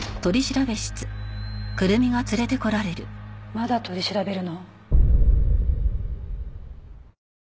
まだ取り調べるの？